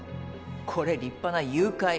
これ立派な誘拐。